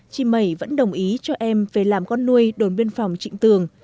chị mẩy vẫn đồng ý cho em về làm con nuôi đồn biên phòng trịnh tường